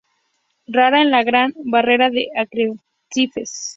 Rara en la Gran Barrera de Arrecifes.